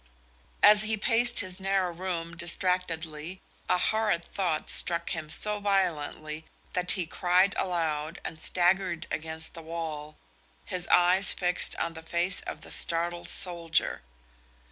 As he paced his narrow room distractedly a horrid thought struck him so violently that he cried aloud and staggered against the wall, his eyes fixed on the face of the startled soldier.